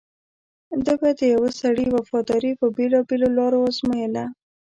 ده به د یوه سړي وفاداري په بېلابېلو لارو ازمویله.